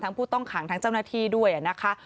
ผู้ต้องขังทั้งเจ้าหน้าที่ด้วยนะคะ